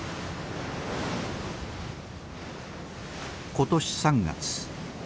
今年３月。